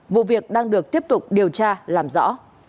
vụ việc đang được tiếp tục điều tra làm rõ